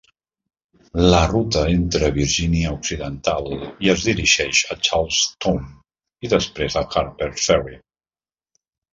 La ruta entra a Virgínia Occidental i es dirigeix a Charles Town i després a Harpers Ferry.